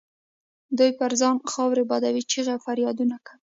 دوی پر ځان خاورې بادوي، چیغې او فریادونه کوي.